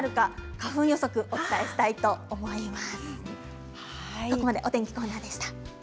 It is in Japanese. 花粉予測をお伝えしたいと思います。